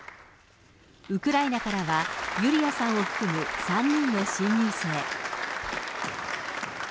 ウクライナからはユリアさんを含む３人の新入生。